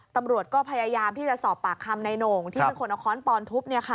ตำรวจก็พยายามที่จะสอบปากคำในโหน่งที่เป็นคนเอาค้อนปอนทุบ